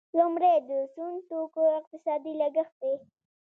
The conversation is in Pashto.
لومړی د سون توکو اقتصادي لګښت دی.